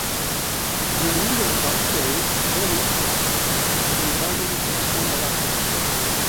Hunermendê ji Qamişloyê Xêmo, klîba Bijî Kurdistan belav kir.